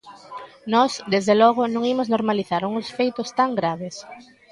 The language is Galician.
Nós, desde logo, non imos normalizar uns feitos tan graves.